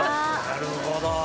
なるほど。